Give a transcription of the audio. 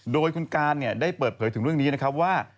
โดยคุณการได้เปิดเผยถึงเรื่องนี้นะครับว่า